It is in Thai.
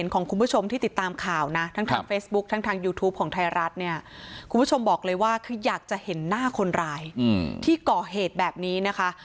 คุณผู้ชมบอกเลยว่าคืออยากจะเห็นหน้าคนร้ายที่ก่อเหตุแบบนี้นะคะ